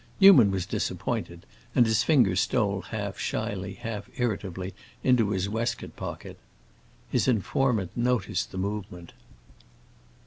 Newman was disappointed, and his fingers stole half shyly half irritably into his waistcoat pocket. His informant noticed the movement.